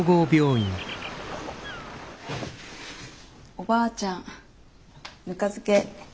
おばあちゃんぬか漬け